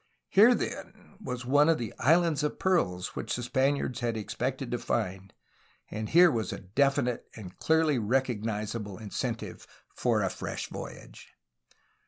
Here then was one of the "islands of pearls" which the Spaniards had expected to find, and here was a definite and clearly recognizable incentive for a fresh voyage.